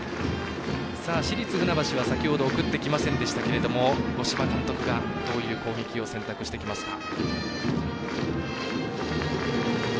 市立船橋は先ほど送ってきませんでしたけど五島監督がどういう攻撃を選択してくるか。